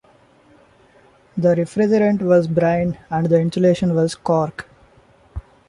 The refrigerant was brine and the insulation was cork.